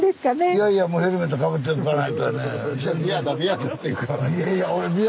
いやいやもうヘルメットかぶっておかないとやね。